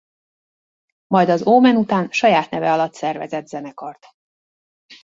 Majd az Omen után saját neve alatt szervezett zenekart.